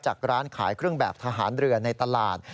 ร้านขายเครื่องแบบทหารเรือในตลาด